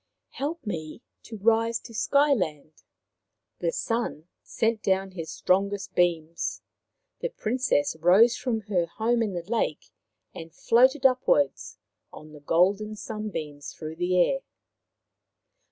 " Help me to rise to Sky land." The Sun sent down his strongest beams. The Princess rose from her home in the lake and floated upwards on the golden sunbeams through the air.